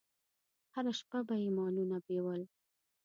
هره شپه به یې مالونه بېول.